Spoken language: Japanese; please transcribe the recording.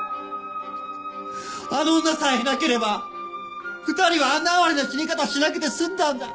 あの女さえいなければ２人はあんな哀れな死に方しなくて済んだんだ！